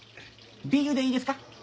ビールでいいですか？